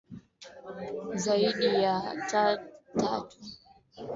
Zaidi ya dazeni tatu ambao wanaishi hasa